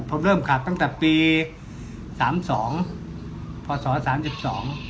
ผมเริ่มขับตั้งแต่ปีสามสองพศสามสิบสอง